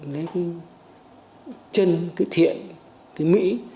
lấy cái chân cái thiện cái mỹ